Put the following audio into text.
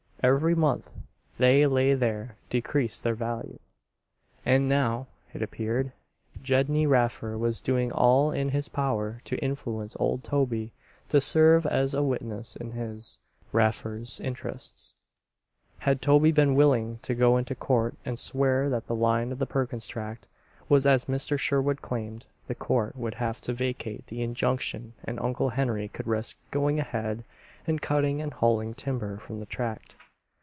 Every month they lay there decreased their value. And now, it appeared, Gedney Raffer was doing all in his power to influence old Toby to serve as a witness in his, Raffer's, interests. Had toby been willing to go into court and swear that the line of the Perkins Tract was as Mr. Sherwood claimed, the court would have to vacate the injunction and Uncle Henry could risk going ahead and cutting and hauling timber from the tract.